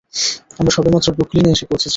আমরা সবেমাত্র ব্রুকলিনে এসে পৌঁছেছি!